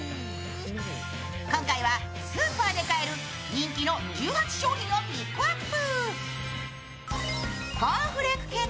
今回はスーパーで買える人気の１８商品をピックアップ。